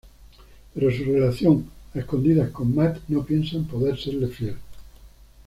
Pero su relación a escondidas con Matt, no piensa en poder serle fiel.